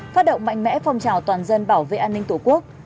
phát động mạnh mẽ phong trào toàn dân bảo vệ an ninh tổ quốc